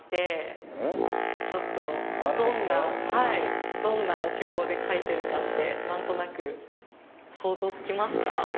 どんな手法で描いてるか何となく想像つきますか？